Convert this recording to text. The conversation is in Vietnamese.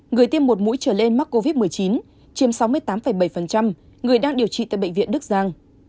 người tiêm một mũi trở lên mắc covid một mươi chín chiếm sáu mươi tám bảy người đang điều trị tại bệnh viện đức giang